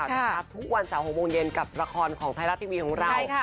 ทุกวันเสาร์๖โมงเย็นกับละครของไทยรัฐทีวีของเรา